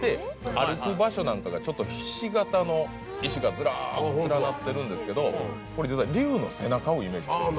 歩く場所なんかがちょっとひし形の石がずらっと連なってるんですけどこれ実は。をイメージしてる。